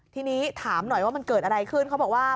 ทีนี้ถามหน่อยว่ามันเกิดอะไรขึ้นเขาบอกว่า